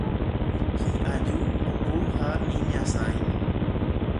Hi'aju, opu ha iñasãi.